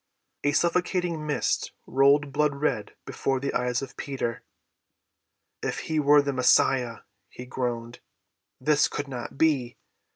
A suffocating mist rolled blood‐red before the eyes of Peter. "If he were the Messiah," he groaned, "this could not be.